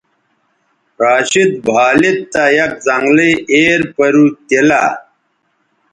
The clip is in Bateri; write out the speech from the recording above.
راشد بھالید تہ یک زنگلئ ایر پَرُو تیلہ